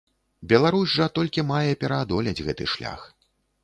Беларусь жа толькі мае пераадолець гэты шлях.